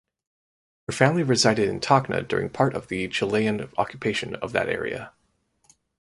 Her family resided in Tacna during part of the Chilean occupation of that area.